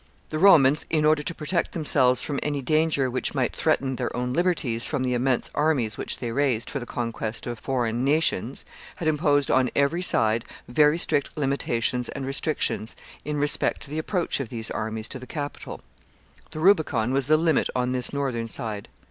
The Romans, in order to protect themselves from any danger which might threaten their own liberties from the immense armies which they raised for the conquest of foreign nations, had imposed on every side very strict limitations and restrictions in respect to the approach of these armies to the Capitol. The Rubicon was the limit on this northern side.